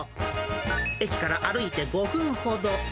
駅から歩いて５分ほど。